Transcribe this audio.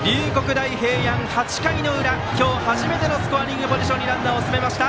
大平安、８回の裏今日初めてスコアリングポジションにランナーを進めました。